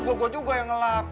gue gue juga yang ngelam